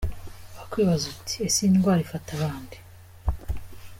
Wakwibaza uti ese iyi ndwara ifata bande?.